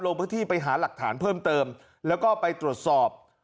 ลงพื้นที่ไปหาหลักฐานเพิ่มเติมแล้วก็ไปตรวจสอบ